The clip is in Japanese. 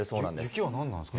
雪は何なんですか。